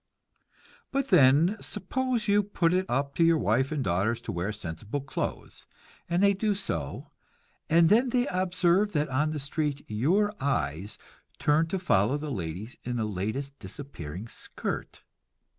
But then, suppose you put it up to your wife and daughters to wear sensible clothes, and they do so, and then they observe that on the street your eyes turn to follow the ladies in the latest disappearing skirt?